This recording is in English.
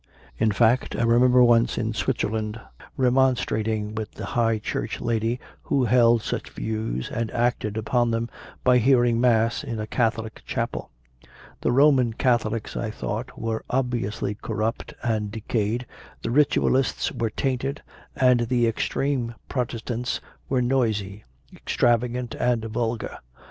In fact I remember once in Swit zerland remonstrating with a High Church lady who held such views and acted upon them by hearing Mass in a Catholic chapel. The Roman Catholics, I thought, were obviously corrupt and decayed, the Ritualists were tainted, and the extreme Protes tants were noisy, extravagant, and vulgar.